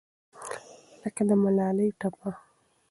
لکه د ملالې ټپه